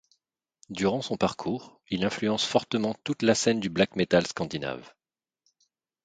Durant son parcours, il influence fortement toute la scène du black metal scandinave.